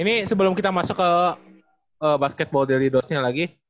ini sebelum kita masuk ke basketball dari dosnya lagi